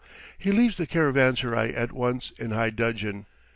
He leaves the caravanserai at once in high dudgeon.